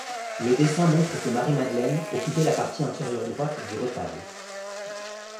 Le dessin montre que Marie-Madeleine occupait la partie inférieure droite du retable.